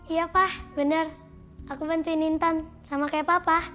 iya pak bener aku bantuin intan sama kayak papa